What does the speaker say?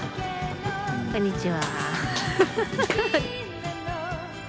こんにちは。